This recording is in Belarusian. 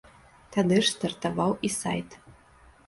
Тады ж стартаваў і сайт.